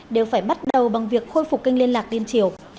đều phải bắt đầu bằng việc khôi phục kênh liên lạc liên triều